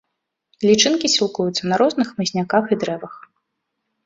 Лічынкі сілкуюцца на розных хмызняках і дрэвах.